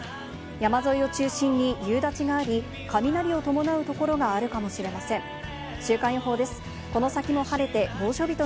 山沿いを中心に夕立があり、雷を伴うところがあるかもしれま美しさも